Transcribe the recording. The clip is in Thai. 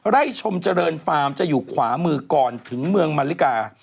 ชมเจริญฟาร์มจะอยู่ขวามือก่อนถึงเมืองมาริกา